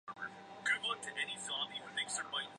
但是维特尔手头多了一套全新的软胎。